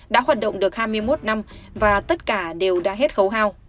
đã hoạt động được hai mươi một năm và tất cả đều đã hết khẩu hào